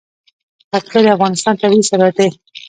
پکتیا د افغانستان طبعي ثروت دی.